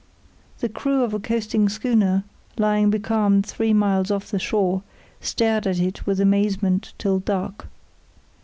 The crew of a coasting schooner, lying becalmed three miles off the shore, stared at it with amazement till dark.